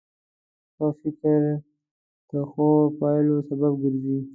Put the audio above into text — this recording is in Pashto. ښه فکر د ښو پایلو سبب ګرځي.